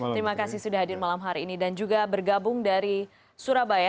terima kasih sudah hadir malam hari ini dan juga bergabung dari surabaya